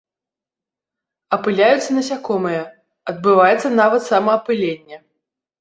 Апыляюцца насякомыя, адбываецца нават самаапыленне.